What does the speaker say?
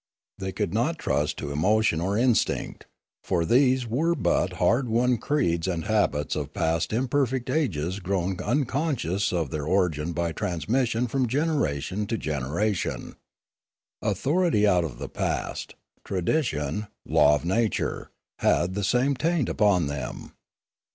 They could not trust to emo 358 Limanora tion or instinct; for these were but hard won creeds and habits of past imperfect ages grown unconscious of their origin by transmission from generation to generation. Authority out of the past, tradition, law of nature, had the same taint upon them.